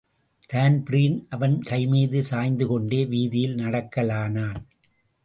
Dan Breen அவன் கைமீது சாய்ந்து கொண்டே வீதியில் நடக்கலானான்.